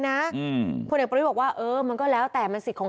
งงเหมือนกันนะ